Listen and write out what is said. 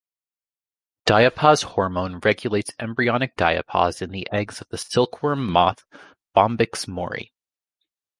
Diapause hormone regulates embryonic diapause in the eggs of the silkworm moth, "Bombyx mori".